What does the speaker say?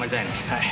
はい。